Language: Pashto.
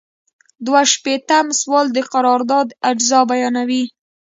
دوه شپیتم سوال د قرارداد اجزا بیانوي.